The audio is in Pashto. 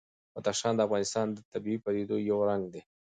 بدخشان د افغانستان د طبیعي پدیدو یو رنګ دی.